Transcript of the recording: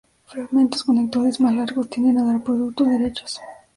Fragmentos conectores más largos tienden a dar productos "derechos".